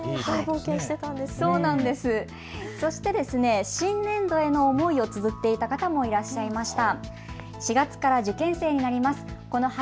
そして新年度への思いをつづっていた方もいました。